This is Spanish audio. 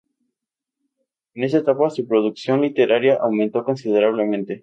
En esta etapa su producción literaria aumentó considerablemente.